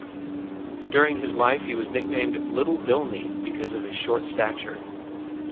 During his life he was nicknamed "Little Bilney" because of his short stature.